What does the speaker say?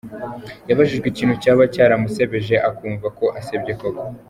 Yabajijwe ikintu cyaba cyaramusebeje akumva ko asebye koko.